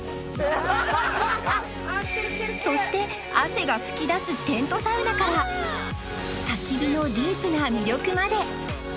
そして汗が噴き出すテントサウナから焚き火のディープな魅力まで